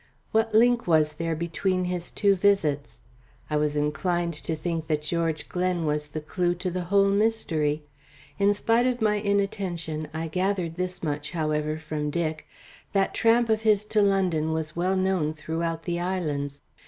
What link was there between his two visits? I was inclined to think that George Glen was the clue to the whole mystery. In spite of my inattention, I gathered this much however from Dick. That tramp of his to London was well known throughout the islands.